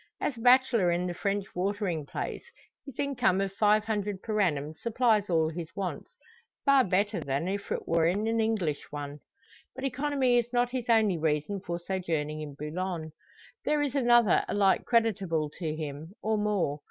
As a bachelor in the French watering place, his income of five hundred per annum supplies all his wants far better than if it were in an English one. But economy is not his only reason for sojourning in Boulogne. There is another alike creditable to him, or more.